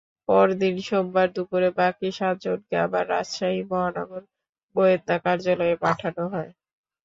পরদিন সোমবার দুপুরে বাকি সাতজনকে আবার রাজশাহী মহানগর গোয়েন্দা কার্যালয়ে পাঠানো হয়।